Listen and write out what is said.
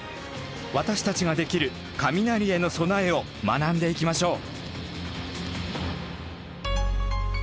私たちができる雷への備えを学んでいきましょう。